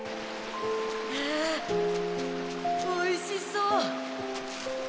ああおいしそう。